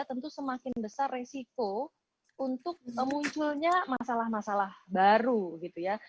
tentu semakin besar resiko untuk munculnya masalah masalah baru gitu ya